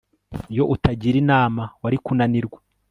Iyo utagira inama wari kunanirwa